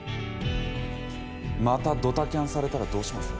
またドタキャンされたらどうします？